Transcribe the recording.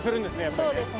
そうですね。